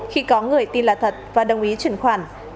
khi có người tin là thật và đồng ý chuyển khoản